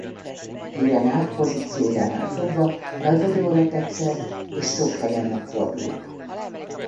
Jurenák pozíciójánál fogva nagy vagyonra tett szert és sok helyen megfordult.